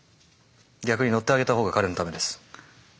逆に乗ってあげた方が彼のためです。